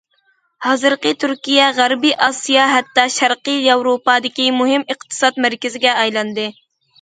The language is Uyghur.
ھازىرقى تۈركىيە غەربىي ئاسىيا ھەتتا شەرقىي ياۋروپادىكى مۇھىم ئىقتىساد مەركىزىگە ئايلاندى.